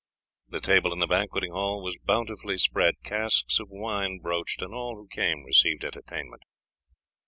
The table in the banqueting hall was bountifully spread, casks of wine broached, and all who came received entertainment.